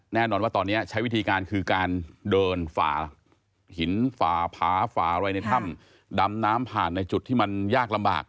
แน่นอนว่าตอนนี้ใช้วิธีการคือการเดินฝ่าหินฝ่าผาฝ่าอะไรในถ้ำดำน้ำผ่านในจุดที่มันยากลำบาก